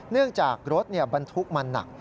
เนื่องจากรถบรรทุกมันหนัก